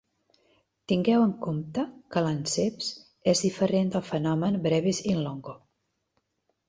Tingueu en compte que l'anceps és diferent del fenomen "brevis in longo".